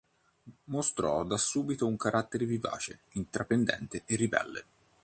Mostrò da subito un carattere vivace, intraprendente e ribelle.